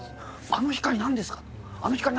あの光何ですか？」